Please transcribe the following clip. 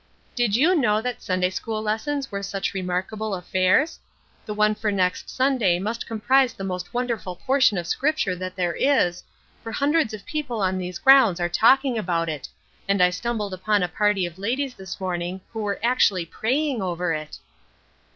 "Did you know that Sunday school lessons were such remarkable affairs? The one for next Sunday must comprise the most wonderful portion of Scripture that there is, for hundreds of people on these grounds are talking about it, and I stumbled upon a party of ladies this morning who were actually praying over it!